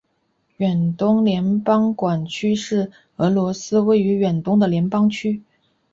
远东联邦管区是俄罗斯位于远东的联邦区。